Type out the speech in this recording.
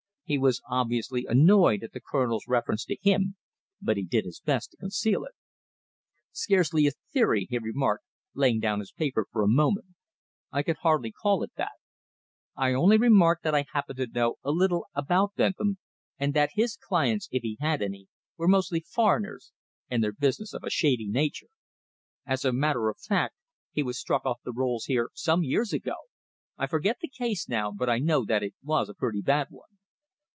He was obviously annoyed at the Colonel's reference to him, but he did his best to conceal it. "Scarcely a theory," he remarked, laying down his paper for a moment. "I can hardly call it that. I only remarked that I happened to know a little about Bentham, and that his clients, if he had any, were mostly foreigners, and their business of a shady nature. As a matter of fact, he was struck off the rolls here some years ago. I forget the case now, but I know that it was a pretty bad one."